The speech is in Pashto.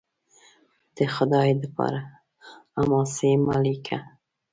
د خدای دپاره! حماسې مه لیکه